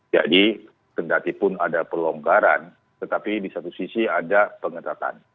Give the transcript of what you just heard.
jadi tidak tipun ada pelonggaran tetapi di satu sisi ada pengetatan